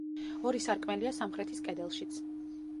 ორი სარკმელია სამხრეთის კედელშიც.